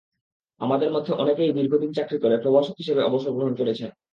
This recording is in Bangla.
আমাদের মধ্যে অনেকেই দীর্ঘদিন চাকরি করে প্রভাষক হিসেবেই অবসর গ্রহণ করেছেন।